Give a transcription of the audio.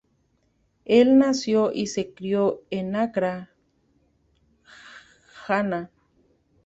El nació y se crio en Acra, Ghana.